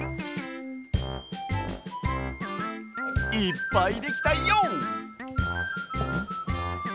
いっぱいできたＹＯ！